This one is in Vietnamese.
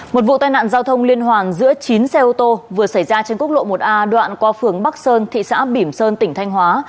một vụ tai nạn giao thông liên hoàn giữa chín xe ô tô vừa xảy ra trên quốc lộ một a đoạn qua phường bắc sơn thị xã bỉm sơn tỉnh thanh hóa